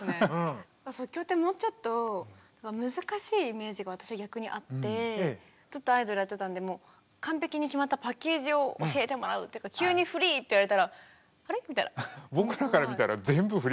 イメージが私は逆にあってずっとアイドルやってたんで完璧に決まったパッケージを教えてもらうっていうか急にフリーって言われたらあれ？みたいな。